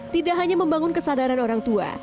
tidak hanya membangun kesadaran orang tua